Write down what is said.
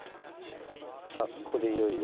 さあここでいよいよ。